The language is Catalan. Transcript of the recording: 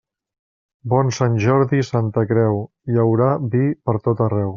Bon Sant Jordi i Santa Creu, hi haurà vi pertot arreu.